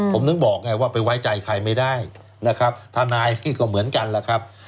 ผมถึงบอกไงว่าไปไว้ใจใครไม่ได้นะครับทนายที่ก็เหมือนกันแหละครับ